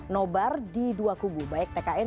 nobar di dua kubu baik tkn dan tkm